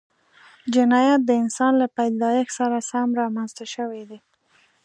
جنایت د انسان له پیدایښت سره سم رامنځته شوی دی